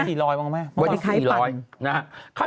ตกหวบบนหลัง๔๐๐บาทบัน